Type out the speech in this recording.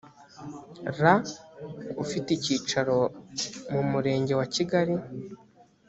raa ufite icyicaro mu murenge wa kigali